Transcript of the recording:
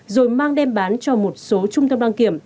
rồi mang đem bán cho một số trung tâm đăng kiểm